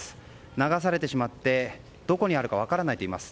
流されてしまってどこにあるか分からないといいます。